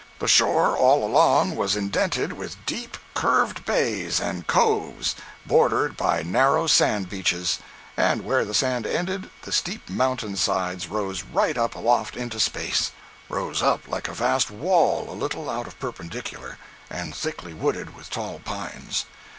The shore all along was indented with deep, curved bays and coves, bordered by narrow sand beaches; and where the sand ended, the steep mountain sides rose right up aloft into space—rose up like a vast wall a little out of the perpendicular, and thickly wooded with tall pines.